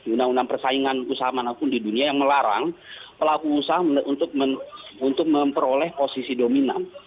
undang undang persaingan usaha manapun di dunia yang melarang pelaku usaha untuk memperoleh posisi dominan